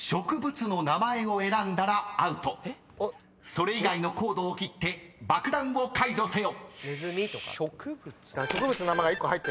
［それ以外のコードを切って爆弾を解除せよ］